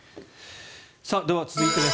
では、続いてです。